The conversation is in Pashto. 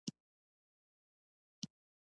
د خوړو د پاکوالي لپاره باید څه شی وکاروم؟